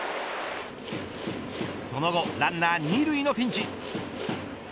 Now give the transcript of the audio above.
その後、ランナー２塁のピンチ。